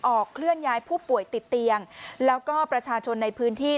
เคลื่อนย้ายผู้ป่วยติดเตียงแล้วก็ประชาชนในพื้นที่